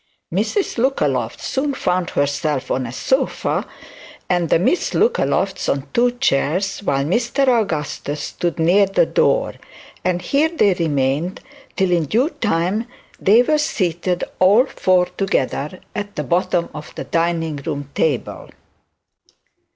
Mrs Lookaloft soon found herself on a sofa, and the Miss Lookalofts on two chairs, while Mr Augustus stood near the door; and here they remained till in due time they were seated all four together at the bottom of the dining room table.